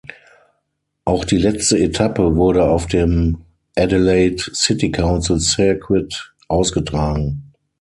Auch die letzte Etappe wurde auf dem "Adelaide City Council Circuit" ausgetragen.